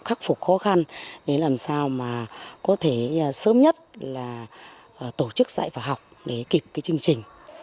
khắc phục khó khăn để làm sao mà có thể sớm nhất là tổ chức dạy và học để kịp cái chương trình